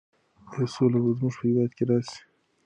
ایا سوله به زموږ په هېواد کې راسي؟